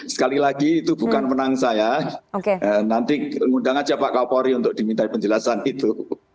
sekali lagi itu bukan menang saya nanti ngundang aja pak kapolri untuk diminta penjelasan itu